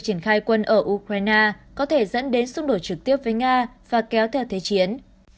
triển khai quân ở ukraine có thể dẫn đến xung đột trực tiếp với nga và kéo theo thế chiến